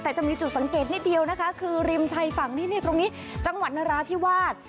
แต่จะมีจุดสังเกตนิดเดียวนะคะคือริมชายฝั่งนี้นี่ตรงนี้จังหวัดนราธิวาส